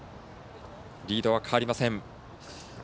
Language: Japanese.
リードは変わりません。